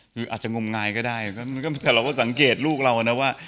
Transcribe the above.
คืออาจจะงมงายก็ได้แต่เราก็สังเกตลูกเรานะว่า